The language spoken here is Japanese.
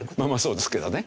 そうですけどね。